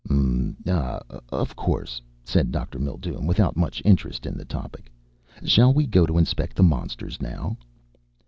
"Mm ah of course," said Dr. Mildume without much interest in the topic. "Shall we go to inspect the monsters now?"